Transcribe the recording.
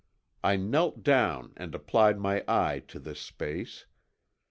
I knelt down and applied my eye to this space.